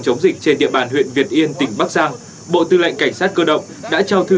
chống dịch trên địa bàn huyện việt yên tỉnh bắc giang bộ tư lệnh cảnh sát cơ động đã trao thư